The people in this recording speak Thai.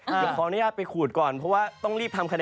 เดี๋ยวขออนุญาตไปขูดก่อนเพราะว่าต้องรีบทำคะแน